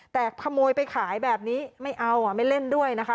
แต่ขโมยไปขายแบบนี้ไม่เอาไม่เล่นด้วยนะคะ